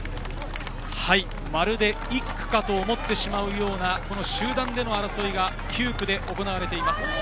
まるで１区かと思ってしまうような集団での争いが９区で行われています。